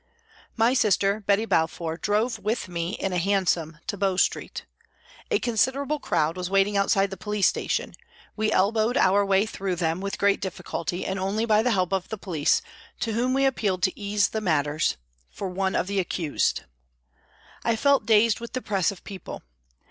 My sister, Betty Balfour, drove with me in a hansom to Bow Street. A considerable crowd was waiting outside the police station ; we elbowed our POLICE COURT TRIAL 55 way through them with great difficulty and only by the help of the police, to whom we appealed to ease matters " for one of the accused." I felt dazed with the press of people.